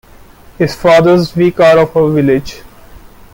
His father's vicar of our village.